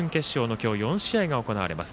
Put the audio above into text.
今日、４試合が行われます